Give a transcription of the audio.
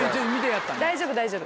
大丈夫大丈夫。